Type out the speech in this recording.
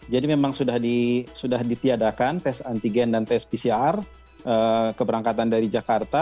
jadi memang sudah ditiadakan tes antigen dan tes pcr keberangkatan dari jakarta